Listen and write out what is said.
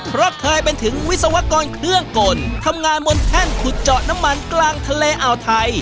เพราะเคยเป็นถึงวิศวกรเครื่องกลทำงานบนแท่นขุดเจาะน้ำมันกลางทะเลอ่าวไทย